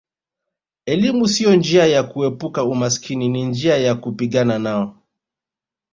Elimu sio njia ya kuepuka umaskini ni njia ya kupigana nao